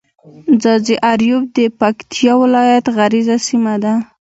ځاځي اريوب د پکتيا ولايت غرييزه سيمه ده.